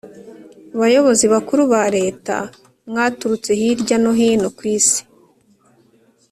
Bayobozi Bakuru ba Leta mwaturutse hirya no hino ku isi